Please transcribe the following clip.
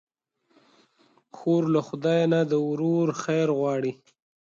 خور له خدای نه د ورور خیر غواړي.